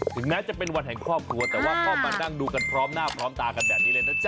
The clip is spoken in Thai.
แม้จะเป็นวันแห่งครอบครัวแต่ว่าก็มานั่งดูกันพร้อมหน้าพร้อมตากันแบบนี้เลยนะจ๊